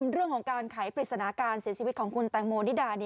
เรื่องของการไขปริศนาการเสียชีวิตของคุณแตงโมนิดา